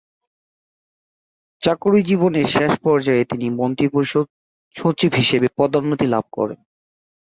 চাকুরি জীবনের শেষ পর্যায়ে তিনি মন্ত্রিপরিষদ সচিব হিসেবে পদোন্নতি লাভ করেন।